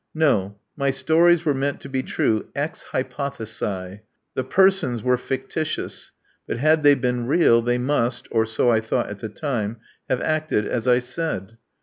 No : my stories were meant to be true ex hypo thesi: the persons were fictitious ; but had they been real, they must (or so I thought at the time) have acted as I said.